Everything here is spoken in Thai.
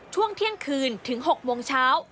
ช่วงเที่ยงคืนถึง๖โมงเช้า